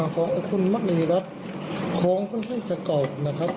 ของคุณมณีรัฐของค่อนข้างจะเก่านะครับ